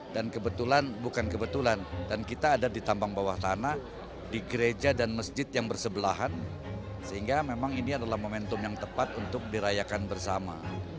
dan kebetulan bukan kebetulan dan kita ada di tambang bawah tanah di gereja dan masjid yang bersebelahan sehingga memang ini adalah momentum yang tepat untuk dirayakan bersama